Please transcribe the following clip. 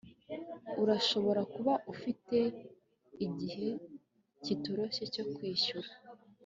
urashobora kuba ufite igihe kitoroshye cyo kwishyura